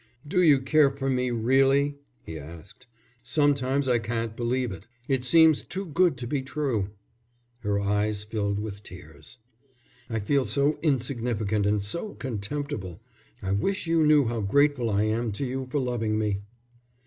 "Do you care for me really?" he asked. "Sometimes I can't believe it. It seems too good to be true." Her eyes filled with tears. "I feel so insignificant and so contemptible. I wish you knew how grateful I am to you for loving me."